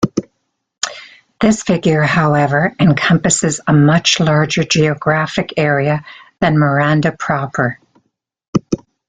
This figure, however, encompasses a much larger geographic area than Miranda proper.